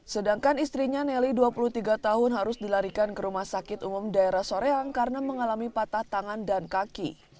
sedangkan istrinya nelly dua puluh tiga tahun harus dilarikan ke rumah sakit umum daerah soreang karena mengalami patah tangan dan kaki